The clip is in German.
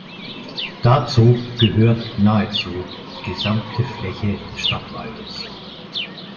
Dazu gehört nahezu die gesamte Fläche des Stadtwaldes.